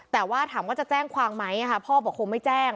แต่ว่าถามว่าจะแจ้งความไหมพ่อบอกคงไม่แจ้ง